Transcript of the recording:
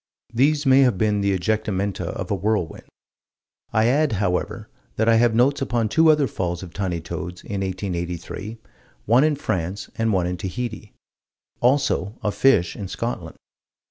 These may have been the ejectamenta of a whirlwind. I add, however, that I have notes upon two other falls of tiny toads, in 1883, one in France and one in Tahiti; also of fish in Scotland.